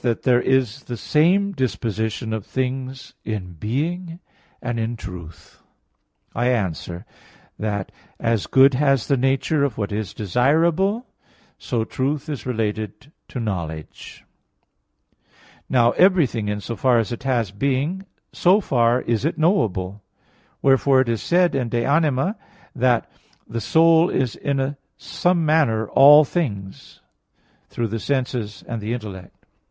ii) that there is the same disposition of things in being and in truth. I answer that, As good has the nature of what is desirable, so truth is related to knowledge. Now everything, in as far as it has being, so far is it knowable. Wherefore it is said in De Anima iii that "the soul is in some manner all things," through the senses and the intellect.